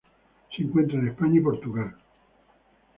Se encuentra en España y Portugal.